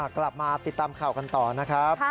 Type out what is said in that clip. กลับมาติดตามข่าวกันต่อนะครับ